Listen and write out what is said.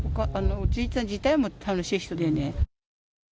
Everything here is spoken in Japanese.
じいちゃん自体も楽しい人でね。